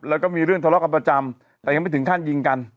แล้วก็มีเรื่องทะเลาะกันประจำแต่ยังไม่ถึงขั้นยิงกัน